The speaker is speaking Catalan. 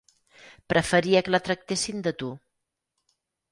Preferia que la tractessin de tu.